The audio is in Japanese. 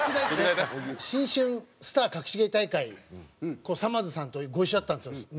『新春スターかくし芸大会』さまぁずさんとご一緒だったんですよ何回か。